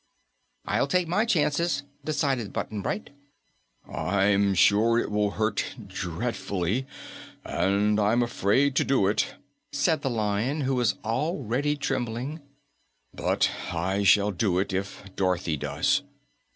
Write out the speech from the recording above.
"I'll take my chances," decided Button Bright. "I'm sure it will hurt dreadfully, and I'm afraid to do it," said the Lion, who was already trembling, "but I shall do it if Dorothy does."